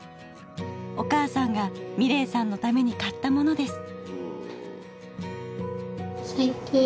お母さんが美礼さんのために買ったものです。